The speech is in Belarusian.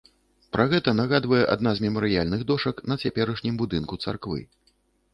Пра гэта нагадвае адна з мемарыяльных дошак на цяперашнім будынку царквы.